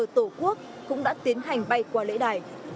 tổ quốc cũng đã tiến hành bay qua lễ đài